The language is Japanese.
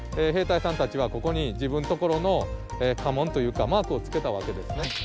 兵隊さんたちはここに自分のところの家紋というかマークをつけたわけですね。